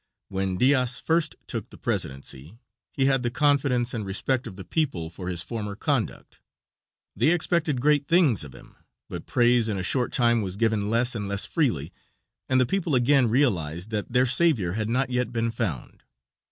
When Diaz first took the presidency he had the confidence and respect of the people for his former conduct. They expected great things of him, but praise in a short time was given less and less freely, and the people again realized that their savior had not yet been found.